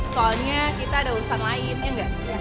soalnya kita ada urusan lain ya enggak